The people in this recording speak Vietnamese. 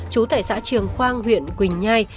chú tại xã trường khoang huyện quỳnh nhai